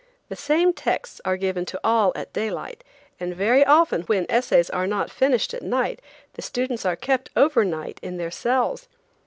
The same texts are given to all at daylight, and very often when essays are not finished at night the students are kept over night in their cells.